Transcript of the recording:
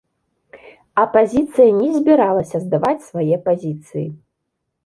Апазіцыя не збіралася здаваць свае пазіцыі.